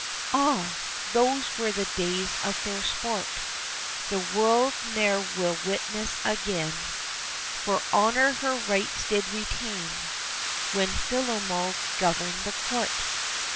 Ah! those were the days of fair sport The world ne'er will witness again, For Honour her rights did retain When Philomel governed the Court.